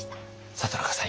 里中さん